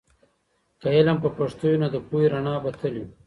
که علم په پښتو وي، نو د پوهې رڼا به تل وي.